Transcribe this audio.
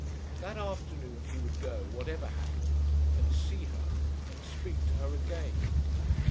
That afternoon he would go, whatever happened, and see her and speak to her again.